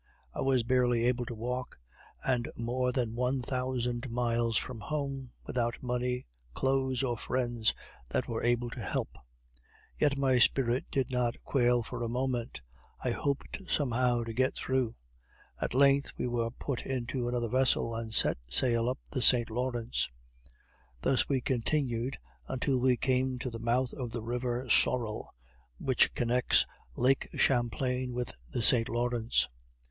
I was barely able to walk, and more than one thousand miles from home, without money, clothes, or friends that were able to help; yet my spirit did not quail for a moment, I hoped somehow to get through. At length we were put into another vessel, and set sail up the St. Lawrence. Thus we continued until we came to the mouth of the river Sorrell, which connects lake Champlain with the St. Lawrence.